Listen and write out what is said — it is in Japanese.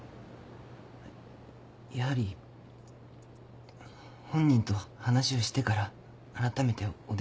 やはり本人と話をしてから改めてお電話します。